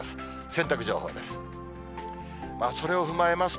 洗濯情報です。